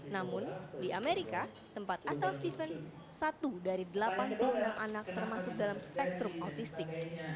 namun di amerika tempat asal steven satu dari delapan puluh enam anak termasuk dalam spektrum autistik